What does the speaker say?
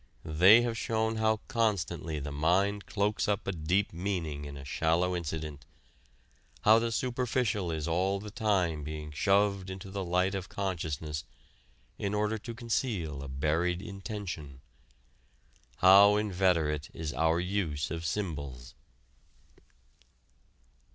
They have shown how constantly the mind cloaks a deep meaning in a shallow incident how the superficial is all the time being shoved into the light of consciousness in order to conceal a buried intention; how inveterate is our use of symbols.